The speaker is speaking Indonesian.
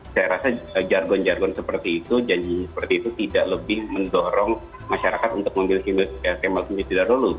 saya rasa jargon jargon seperti itu janji seperti itu tidak lebih mendorong masyarakat untuk memilih kemuliaan tersebut dulu